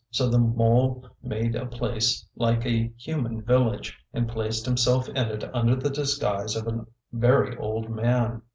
So the mole made a place like a human village, and placed himself in it under the disguise of a very old man.